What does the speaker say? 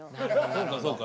そうかそうか。